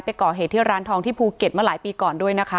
ไปก่อเหตุที่ร้านทองที่ภูเก็ตมาหลายปีก่อนด้วยนะคะ